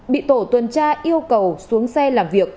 bị tổ tuần tra yêu cầu xuống xe làm việc